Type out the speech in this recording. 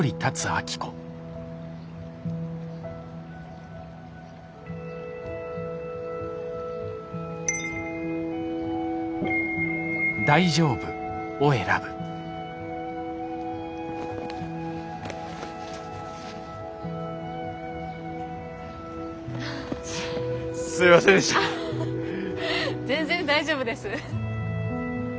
アハハ全然大丈夫です。